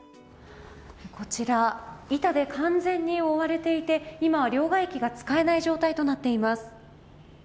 板で完全に覆われていて今は両替機が使えない状態となっています。